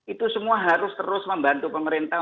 itu semua harus terus membantu pemerintah